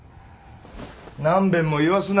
何遍も言わすな。